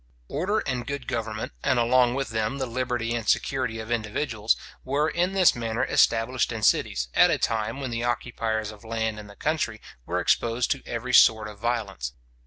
Order and good government, and along with them the liberty and security of individuals, were in this manner established in cities, at a time when the occupiers of land in the country, were exposed to every sort of violence.